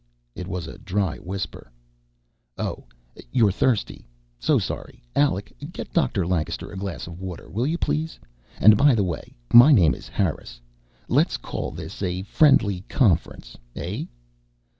It was a dry whisper. "Oh, you're thirsty. So sorry. Alec, get Dr. Lancaster a glass of water, will you, please? And by the way, my name is Harris. Let's call this a friendly conference, eh?"